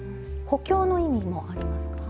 補強の意味もありますか？